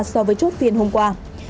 so với chốt phiên hôm qua